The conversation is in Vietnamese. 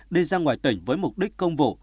đi ra ngoài tỉnh với mục đích công vụ